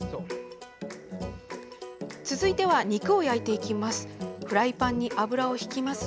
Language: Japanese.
続いては肉を焼いていきます。